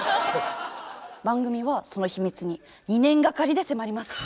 番組はその秘密に２年がかりで迫ります。